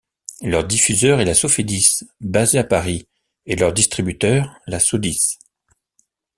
Leur diffuseur est la Sofedis basée à Paris et leur distributeur la Sodis.